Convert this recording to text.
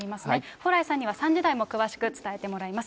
蓬莱さんには３時台にも詳しく伝えてもらいます。